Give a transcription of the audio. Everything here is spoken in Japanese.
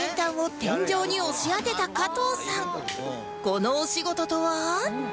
このお仕事とは？